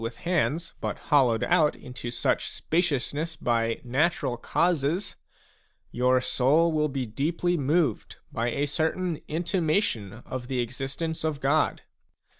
with hands but hollowed out into such spaciousness by natural causes, your soul will be deeply moved by a certain intimation of the existence of God.